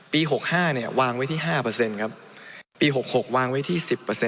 ๖๕วางไว้ที่๕ครับปี๖๖วางไว้ที่๑๐